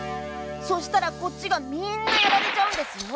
そしたらこっちがみんなやられちゃうんですよ。